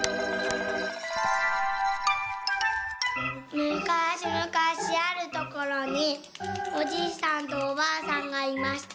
「むかしむかしあるところにおじいさんとおばあさんがいました。